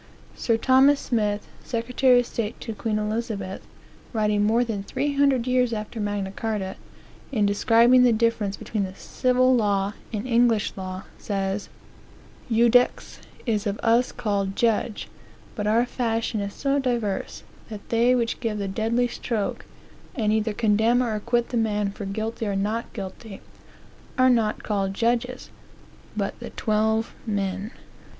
Sir Thomas Smith, Secretary of State to queen Elizabeth, writing more than three hundred years after Magna Carta, in describing the difference between the Civil Law and the English Law, says: "Judex is of us called Judge, but our fashion is so divers, that they which give the deadly stroke, and either condemn or acquit the man for guilty or not guilty, are not called judges, but the twele men.